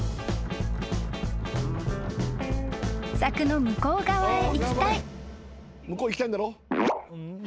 ［柵の向こう側へ行きたい］